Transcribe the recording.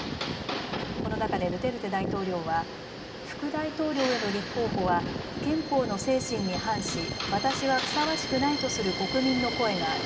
この中でドゥテルテ大統領は副大統領への立候補は憲法の精神に反し、私はふさわしくないとする国民の声がある。